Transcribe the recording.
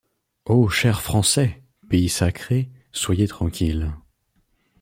O chers français, pays sacrés, soyez tranquilles.